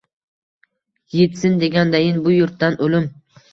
Yitsin degandayin bu yurtdan o‘lim